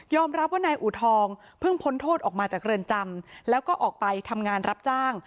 รับว่านายอูทองเพิ่งพ้นโทษออกมาจากเรือนจำแล้วก็ออกไปทำงานรับจ้าง